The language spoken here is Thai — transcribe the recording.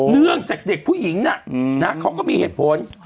เนื่องจากเด็กผู้หญิงเขาก็มีเหตุผล